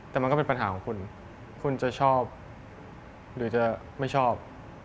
แต่มันก็เป็นปัญหาของคุณคุณจะชอบหรือจะไม่ชอบ